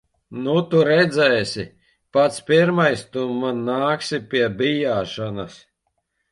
Nu tu redzēsi. Pats pirmais tu man nāksi pie bijāšanas.